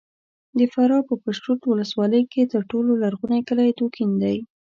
د فراه په پشترود ولسوالۍ کې تر ټولو لرغونی کلی دوکین دی!